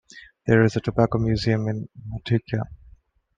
There is a tobacco museum in Motueka.